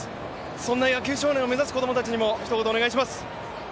そんな野球少年を目指す子供たちにもひと言、お願いします。